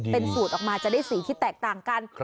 เป็นสูตรออกมาจะได้สีที่แตกต่างกัน